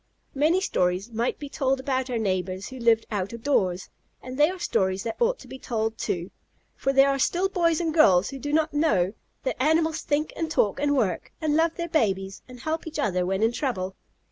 Many stories might be told about our neighbors who live out of doors, and they are stories that ought to be told, too, for there are still boys and girls who do not know that animals think and talk and work, and love their babies, and help each other when in trouble.